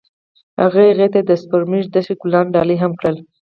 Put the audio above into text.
هغه هغې ته د سپوږمیز دښته ګلان ډالۍ هم کړل.